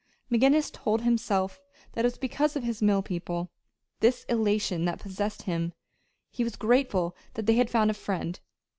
McGinnis told himself that it was because of his mill people this elation that possessed him. He was grateful that they had found a friend.